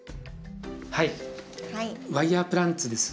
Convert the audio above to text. はいワイヤープランツです。